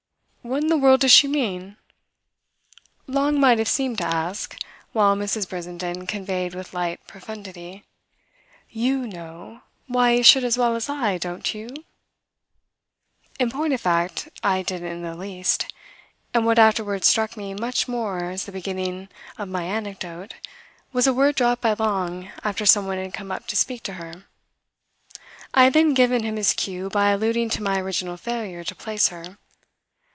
"What in the world does she mean?" Long might have seemed to ask; while Mrs. Brissenden conveyed with light profundity: "You know why he should as well as I, don't you?" In point of fact I didn't in the least; and what afterwards struck me much more as the beginning of my anecdote was a word dropped by Long after someone had come up to speak to her. I had then given him his cue by alluding to my original failure to place her.